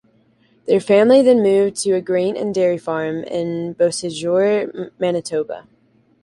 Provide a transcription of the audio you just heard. Their family then moved to a grain and dairy farm in Beausejour, Manitoba.